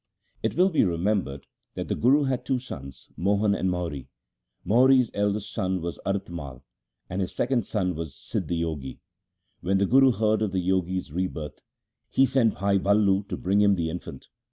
It will be remembered that the Guru had two sons, Mohan and Mohri. Mohri's eldest son was Arth Mai, and his second son the Sidh Jogi. When the Guru heard of the Jogi's rebirth, he sent Bhai Ballu to bring him the infant.